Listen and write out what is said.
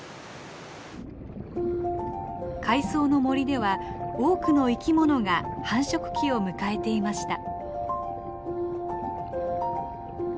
海藻の森では多くの生き物が繁殖期を迎えていました。